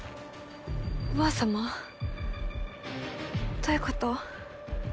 おばあさまどういうこと？